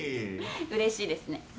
うれしいですね。